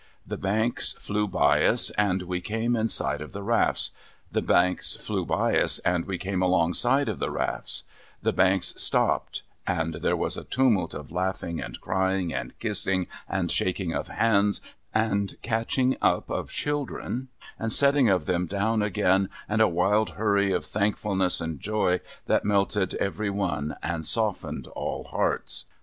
The banks flew by us, and we came in sight of the rafts — the banks flew by us, and we came alongside of the rafts — the banks stopped ; and there was a tumult of laughing and crying, and kissing and shaking of hands, and catching up of children and setting of them down again, and a wild hurry of thankfulness and joy that melted every one and softened all hearts.